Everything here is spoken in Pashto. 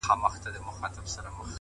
o زما گلاب .گلاب دلبره نور به نه درځمه.